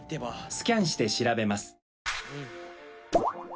スキャンして調べます。